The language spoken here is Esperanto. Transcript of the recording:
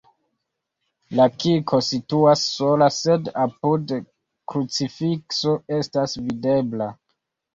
La kirko situas sola, sed apude krucifikso estas videbla.